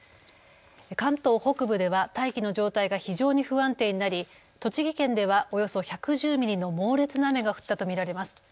関東北部では大気の状態が非常に不安定になり栃木県ではおよそ１１０ミリの猛烈な雨が降ったと見られます。